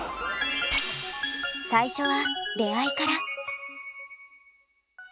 最初は出会いから。